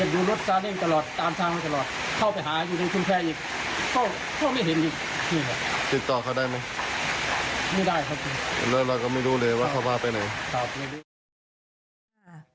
เราก็ไม่รู้เลยว่าเขาบ้านไปไหน